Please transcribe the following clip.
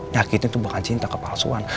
nyakitin tuh bukan cinta kepalsuan